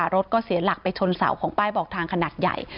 รถก็เสียหลักไปชนเสาของป้ายบอกทางขนาดใหญ่